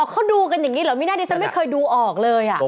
เขาดูกันอย่างนี้เหรอไม่น่าดิฉันไม่เคยดูออกเลย